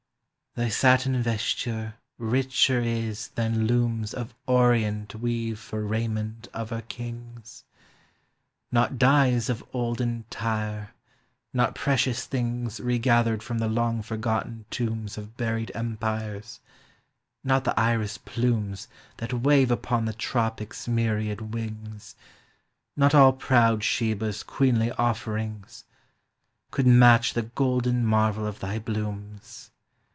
Thy satin vesture richer is than looms Of Orient weave for raiment of her kings! Not dyes of olden Tyre, not precious thL Regathered from the long forgotten tombs Of buried empires, not the iris plumes That wave upon the tropics' myriad win Not all proud Sheba's queenly oflferin Could match the golden marvel of thy blooms.